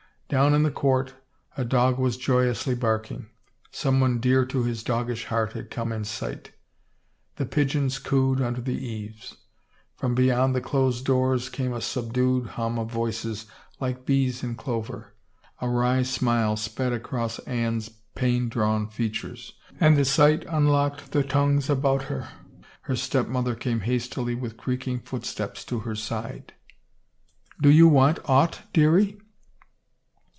Down in the court a dog was joyously barking; someone dear to his doggish heart had come in sight The pigeons cooed under the eaves. From beyond the closed doors came a subdued hum of voices, like bees in clover. A wry smile sped across Anne's pain drawn features, and the sight unlocked the tongues about her. Her step mother came hastily with creaking footsteps to her side. " Do you want aught, dearie